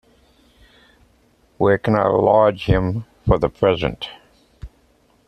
Where can I lodge him for the present?